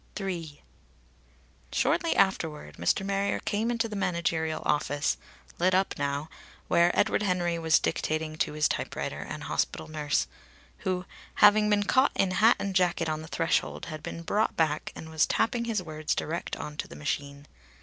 III. Shortly afterward Mr. Marrier came into the managerial office, lit up now, where Edward Henry was dictating to his typewriter and hospital nurse, who, having been caught in hat and jacket on the threshold, had been brought back and was tapping his words direct on to the machine.